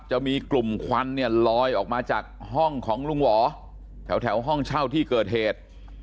จะมีกลุ่มควันเนี่ยลอยออกมาจากห้องของลุงหวอแถวห้องเช่าที่เกิดเหตุ